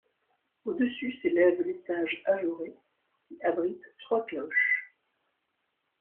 Au-dessus s'élève l'étage ajouré qui abrite trois cloches.